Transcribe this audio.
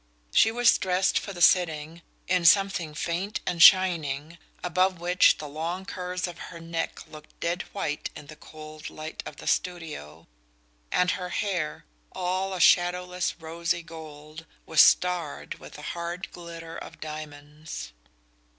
She was dressed for the sitting in something faint and shining, above which the long curves of her neck looked dead white in the cold light of the studio; and her hair, all a shadowless rosy gold, was starred with a hard glitter of diamonds.